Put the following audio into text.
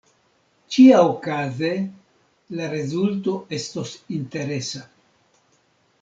Ĉiaokaze la rezulto estos interesa.